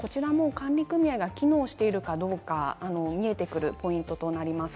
管理組合が機能しているかどうか見えてくるポイントとなります。